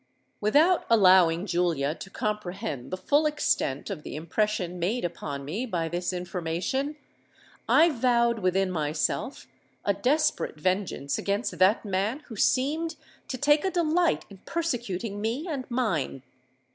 "Without allowing Julia to comprehend the full extent of the impression made upon me by this information, I vowed within myself a desperate vengeance against that man who seemed to take a delight in persecuting me and mine.